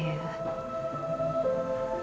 ibu andien juga adalah nafasnya